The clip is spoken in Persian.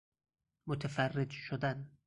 متفرج شدن